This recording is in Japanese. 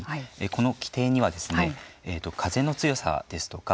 この規定にはですね風の強さですとか